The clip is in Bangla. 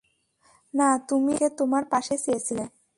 না, তুমি আমাকে তোমার পাশে চেয়েছিলে!